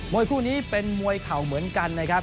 วยคู่นี้เป็นมวยเข่าเหมือนกันนะครับ